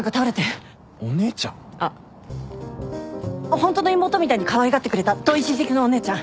ホントの妹みたいにかわいがってくれた遠い親戚のお姉ちゃん。